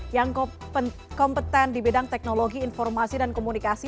yang kompeten di bidang teknologi informasi dan komunikasi